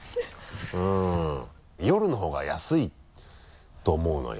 夜の方が安いと思うのよ。